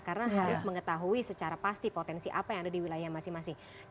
karena harus mengetahui secara pasti potensi apa yang ada di wilayah masing masing